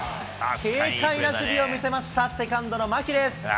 軽快な守備を見せました、セカンドの牧です。